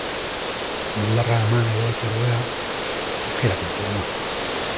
Bularra eman edo ez ordea, aukera kontua da.